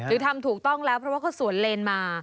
หรือทำถูกต้องแล้วเพราะว่าเขาสวนเลนมา